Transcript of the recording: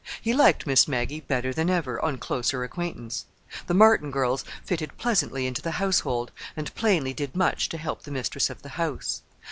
He liked Miss Maggie better than ever, on closer acquaintance. The Martin girls fitted pleasantly into the household, and plainly did much to help the mistress of the house.